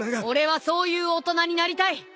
俺はそういう大人になりたい。